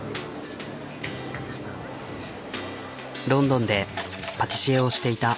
ロンドンでパティシエをしていた。